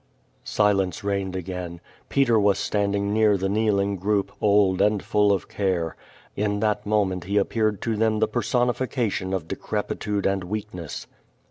Silence reigned again. Peter was standing near the kneel ing group, old and full of care. In that moment he ap peared to them the personification of decrepitude and weak ness.